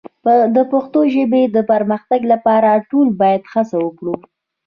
د پښتو ژبې د پرمختګ لپاره ټول باید هڅه وکړو.